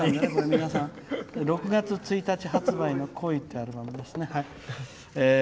皆さん、６月１日発売の「孤悲」ってアルバムですね。